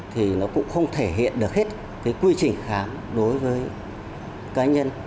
thì nó cũng không thể hiện được hết cái quy trình khám đối với cá nhân